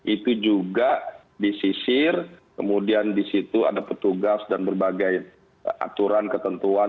itu juga disisir kemudian di situ ada petugas dan berbagai aturan ketentuan